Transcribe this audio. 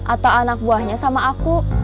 atau anak buahnya sama aku